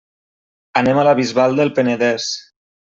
Anem a la Bisbal del Penedès.